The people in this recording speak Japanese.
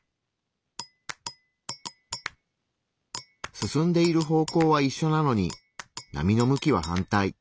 進んでいる方向はいっしょなのに波の向きは反対。